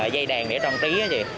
dây đèn để trang trí